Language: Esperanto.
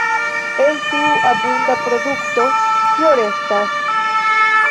El tiu abunda produkto, kio restas?